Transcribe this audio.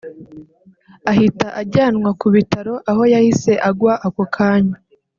ahita ajyanwa ku bitaro aho yahise agwa ako kanya